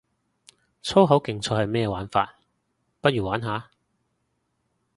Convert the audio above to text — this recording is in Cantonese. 粗口競賽係咩玩法，不如玩下